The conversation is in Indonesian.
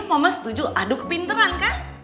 mama setuju aduh kepinteran kan